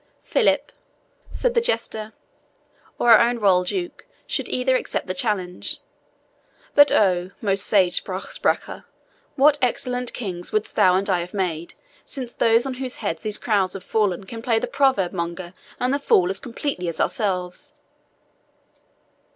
"Philip," said the jester, "or our own Royal Duke, should either accept the challenge. But oh, most sage SPRUCH SPECHER, what excellent kings wouldst thou and I have made, since those on whose heads these crowns have fallen can play the proverb monger and the fool as completely as ourselves!"